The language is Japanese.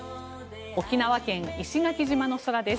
沖縄県・石垣島の空です。